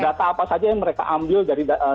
data apa saja yang mereka ambil dari